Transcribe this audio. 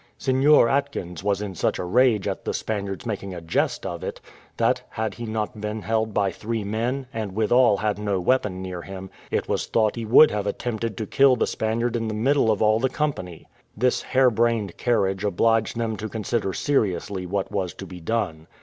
Seignior Atkins was in such a rage at the Spaniard's making a jest of it, that, had he not been held by three men, and withal had no weapon near him, it was thought he would have attempted to kill the Spaniard in the middle of all the company. This hare brained carriage obliged them to consider seriously what was to be done.